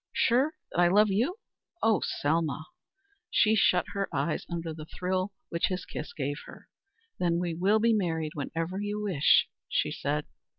"Sure? That I love you? Oh Selma!" She shut her eyes under the thrill which his kiss gave her. "Then we will be married whenever you wish," she said.